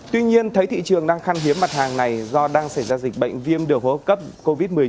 tuy nhiên thấy thị trường đang khăn hiếm mặt hàng này do đang xảy ra dịch bệnh viêm đều hốp cấp covid một mươi chín